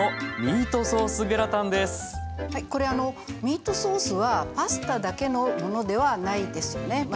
はいこれあのミートソースはパスタだけのものではないですよね。